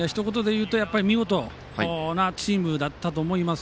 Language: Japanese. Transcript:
見事なチームだったと思います。